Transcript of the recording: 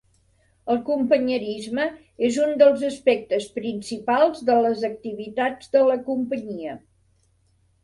El companyerisme és un dels aspectes principals de les activitats de la companyia.